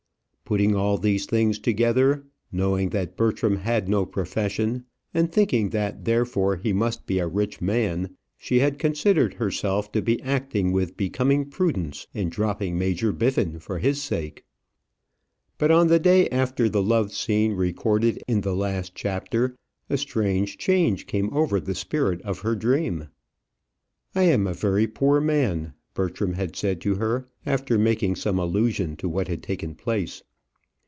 Putting all these things together, knowing that Bertram had no profession, and thinking that therefore he must be a rich man, she had considered herself to be acting with becoming prudence in dropping Major Biffin for his sake. But on the day after the love scene recorded in the last chapter, a strange change came over the spirit of her dream. "I am a very poor man," Bertram had said to her, after making some allusion to what had taken place.